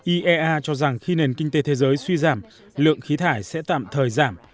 iea cho rằng khi nền kinh tế thế giới suy giảm lượng khí thải sẽ tạm thời giảm